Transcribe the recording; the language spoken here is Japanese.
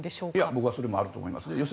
僕はそれもあると思います。